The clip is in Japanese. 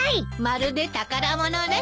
まるで宝物ね。